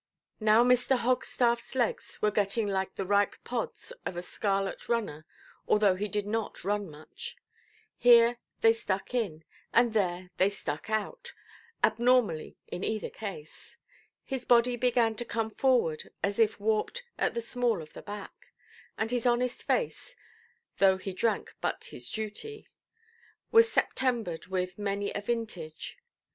Now Mr. Hogstaffʼs legs were getting like the ripe pods of a scarlet–runner (although he did not run much); here they stuck in, and there they stuck out, abnormally in either case; his body began to come forward as if warped at the small of the back; and his honest face (though he drank but his duty) was Septemberʼd with many a vintage.